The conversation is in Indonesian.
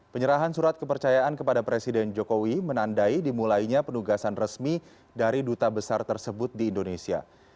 penyerahan surat kepercayaan kepada presiden jokowi menandai dimulainya penugasan resmi dari duta besar tersebut di indonesia